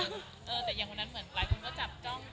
แต่อย่างวันนั้นเหมือนหลายคนก็จับจ้อง